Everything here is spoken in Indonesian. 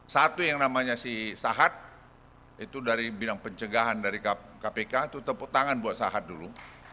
satu yang namanya si sahat itu dari bidang pencegahan dari kpk itu tepuk tangan buat sahat dulu